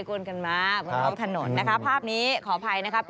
บนทางถนนนะครับภาพนี้ขออภัยนะครับ